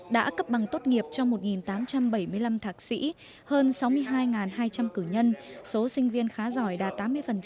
đã cấp bằng tốt nghiệp cho một tám trăm bảy mươi năm thạc sĩ hơn sáu mươi hai hai trăm linh cử nhân số sinh viên khá giỏi đạt tám mươi